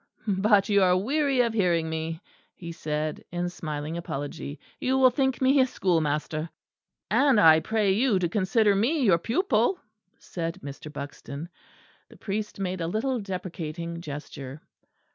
"But you are weary of hearing me!" he said, in smiling apology. "You will think me a schoolmaster." "And I pray you to consider me your pupil," said Mr. Buxton. The priest made a little deprecating gesture.